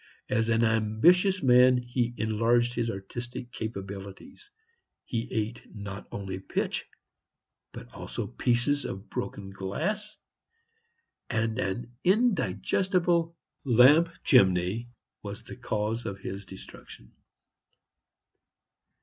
As an ambitious man he enlarged his artistic capabilities; he ate not only pitch but also pieces of broken glass, and an indigestible lamp chimney was the cause of his destruction.